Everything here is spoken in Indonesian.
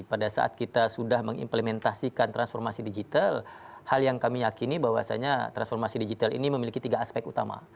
pada saat kita sudah mengimplementasikan transformasi digital hal yang kami yakini bahwasannya transformasi digital ini memiliki tiga aspek utama